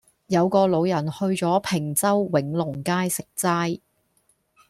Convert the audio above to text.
有個老人去左坪洲永隆街食齋